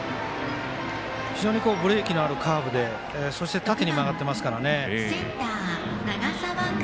非常にブレーキのあるカーブでそして、縦に曲がってますからね。